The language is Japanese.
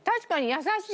優しい。